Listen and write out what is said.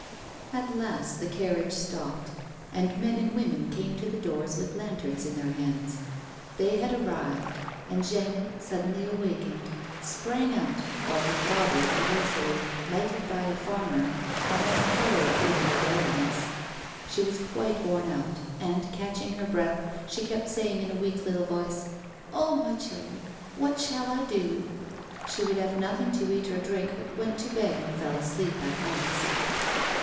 At last the carriage stopped, and men and women came to the doors with lanterns in their hands. They had arrived, and Jeanne, suddenly awakened, sprang out, while her father and Rosalie, lighted by a farmer, almost carried in the baroness ; she was quite worn out, and, catching her breath, she kept saying in a weak little voice :" Ah, my children ! what shall I do ]" She would have nothing to eat or drink, but went to bed and fell asleep at once.